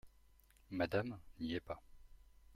Madame n'y est pas.